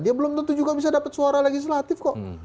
dia belum tentu juga bisa dapat suara legislatif kok